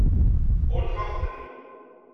Ɣunfaɣ-ten.